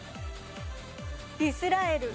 イスラエル。